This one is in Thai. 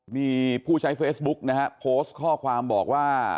มีผู้ใช้เฟซบุ๊กนะฮะโพสต์ข้อความบอกว่า